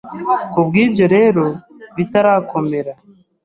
Ku bw’ibyo rero bitarakomera ,